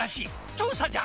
調査じゃ！